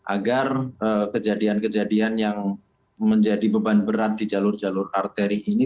agar kejadian kejadian yang menjadi beban berat di jalur jalur arteri ini